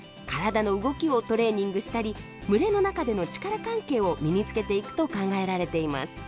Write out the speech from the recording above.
体の動きをトレーニングしたり群れの中での力関係を身に付けていくと考えられています。